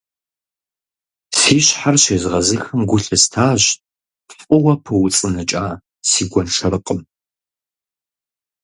Си щхьэр щезгъэзыхым гу лъыстащ фӀыуэ пыуцӀыныкӀа си гуэншэрыкъым.